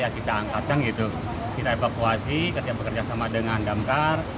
kita angkat kita evakuasi kita bekerja sama dengan damkar